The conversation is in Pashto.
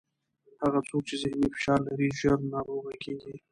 هغه څوک چې ذهني فشار لري، ژر ناروغه کېږي.